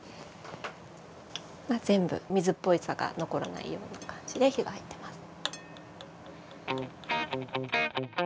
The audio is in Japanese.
全部水っぽさが残らないような感じで火が入ってます。